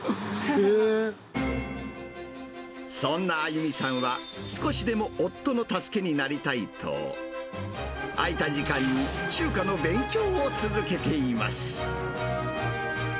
そんな亜友美さんは、少しでも夫の助けになりたいと、空いた時間に中華の勉強を続けています。